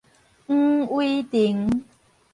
黃威廷